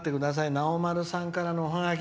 なおまるさんからのおハガキ。